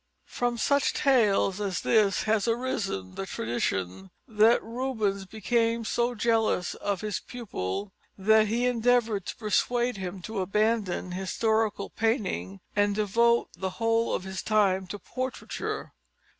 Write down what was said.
From such tales as this has arisen the tradition that Rubens became so jealous of his pupil that he endeavoured to persuade him to abandon historical painting and devote the whole of his time to portraiture.